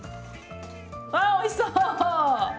わおいしそう！